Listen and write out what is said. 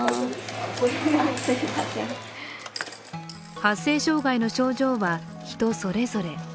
発生障害の症状は人それぞれ。